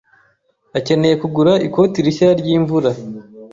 akeneye kugura ikoti rishya ryimvura.